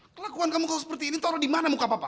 kelakuan kamu kalau seperti ini taruh di mana muka papa